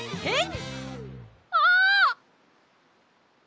えっ？